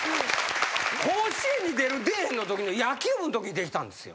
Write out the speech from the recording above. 甲子園に出る出えへんのときの野球部のときできたんすよ。